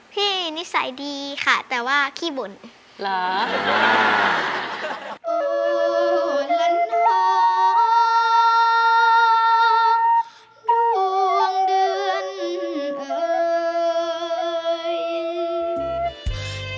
พี่นิสัยดีค่ะแต่ว่าขี้บุญ